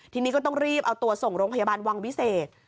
ทีนี้ก็ต้องรีบเอาตัวส่งโรงพยาบาลวังวิเศษ